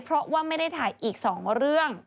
เพราะว่าไม่ได้ถ่ายอีก๒เรื่อง